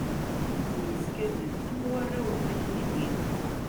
Ttemyeskaden, am arraw n takniwin.